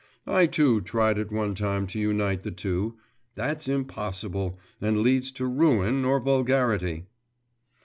I, too, tried at one time to unite the two.… That's impossible, and leads to ruin or vulgarity.